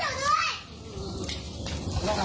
พอเลยพอแล้ว